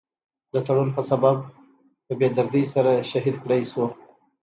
د تړون پۀ سبب پۀ بي دردۍ سره شهيد کړے شو ۔